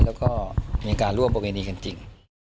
แล้วก็มีการร่วมประเวณีกันจริง